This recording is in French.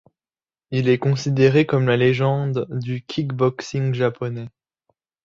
Il est considéré comme la légende du kick-boxing japonais.